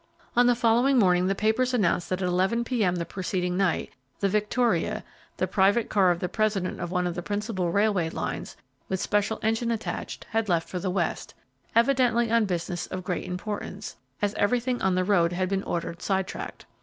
On the following morning the papers announced that at 11 P.M. the preceding night, the Victoria, the private car of the president of one of the principal railway lines, with special engine attached, had left for the West, evidently on business of great importance, as everything on the road had been ordered side tracked.